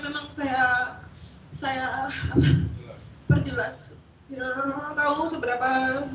biar orang orang tahu seberapa